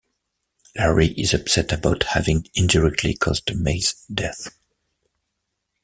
Larry is upset about having indirectly caused May's death.